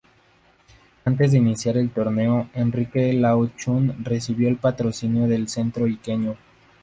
Antes de iniciar el torneo, Enrique Lau Chun recibió el patrocinio de Centro Iqueño.